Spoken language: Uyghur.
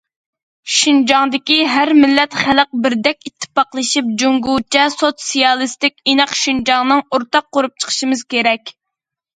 شىنجاڭدىكى ھەر مىللەت خەلق بىردەك ئىتتىپاقلىشىپ، جۇڭگوچە سوتسىيالىستىك ئىناق شىنجاڭنى ئورتاق قۇرۇپ چىقىشىمىز كېرەك.